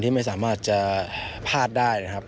ไม่สามารถจะพลาดได้นะครับ